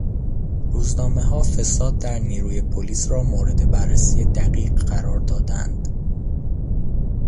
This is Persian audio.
روزنامهها فساد در نیروی پلیس را مورد بررسی دقیق قرار دادند.